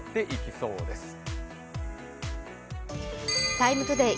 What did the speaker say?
「ＴＩＭＥ，ＴＯＤＡＹ」